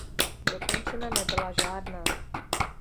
Dokončena nebyla žádná.